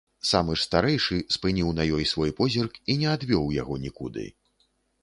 Самы ж старэйшы спыніў на ёй свой позірк і не адвёў яго нікуды.